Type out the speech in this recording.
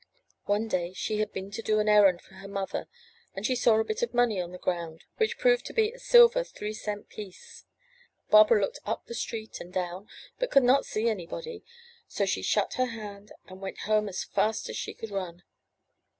One day she had been to do an errand for her mother, and she saw a bit of money on the ground which proved to be a silver three cent piece. Barbara looked up the street and down, but could not see anybody, so she shut her hand and went home as fast as she could run.